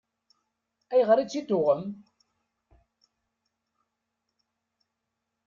Ayɣer i tt-id-tuɣem?